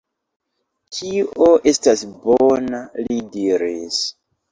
Tio estas bona, li diris.